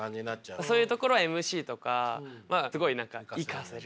そういうところはＭＣとかまあすごい生かせる。